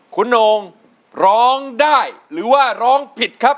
คุณโน่งร้องได้หรือว่าร้องผิดครับ